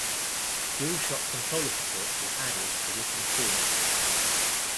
DualShock Controller support was added to this installment.